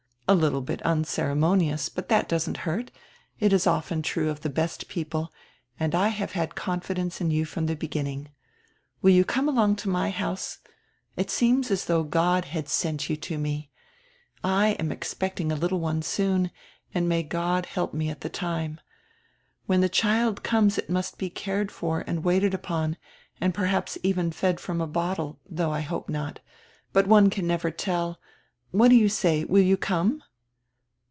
A little bit unceremonious, but that doesn't hurt; it is often true of the best people, and I have had confidence in you from the beginning. Will you come along to my house? It seems as though God had sent you to me. I am expecting a little one soon, and may God help me at the time. When the child conies it must be cared for and w r aited upon and perhaps even fed from a bottle, though I hope not. But one can never tell. What do you say? Will you come?"